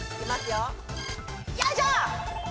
よいしょ！